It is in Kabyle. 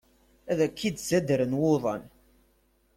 Ad k-id-ttaddren wuḍan.